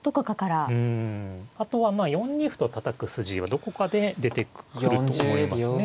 うんあとは４二歩とたたく筋はどこかで出てくると思いますね。